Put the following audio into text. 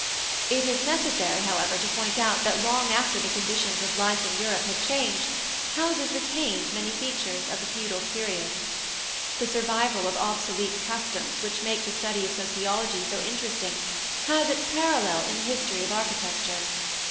It is necessary, however, to point out that long after the conditions of life in Europe had changed, houses retained many features of the feudal period. The survival of obsolete customs which makes the study of sociology so interesting, has its parallel in the history of architecture.